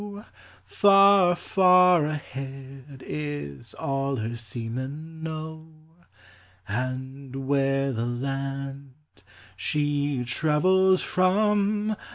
Far, far ahead, is all her seamen know. And where the land she travels from